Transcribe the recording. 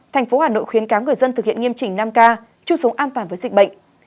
thành phố hà nội khuyến cáo người dân thực hiện nghiêm chỉnh năm k chung sống an toàn với dịch bệnh